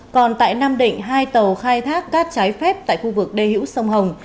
còn tại nam định hai tàu khai thác cát trái phép tại khu vực đê hữu sông hồng